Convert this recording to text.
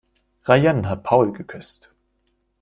Rayen hat Paul geküsst.